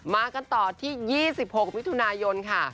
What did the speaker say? มากันต่อที่๒๖มิถุนายนค่ะ